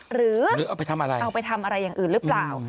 หรือเอาไปทำอะไรอย่างอื่นหรือเปล่า